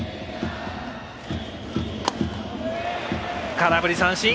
空振り三振。